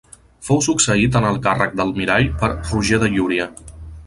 Fou succeït en el càrrec d'Almirall per Roger de Llúria.